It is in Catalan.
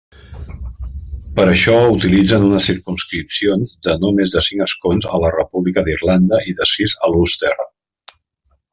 Per això, utilitzen unes circumscripcions de no més de cinc escons a la República d'Irlanda i de sis a l'Ulster.